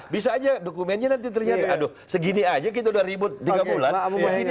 bisa aja dokumennya nanti ternyata aduh segini aja kita udah ribut tiga bulan